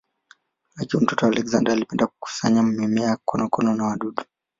Akiwa mtoto Alexander alipenda kukusanya mimea, konokono na wadudu.